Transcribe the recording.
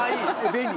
便利！